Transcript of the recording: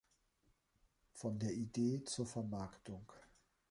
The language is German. Von der Idee zur Vermarktung.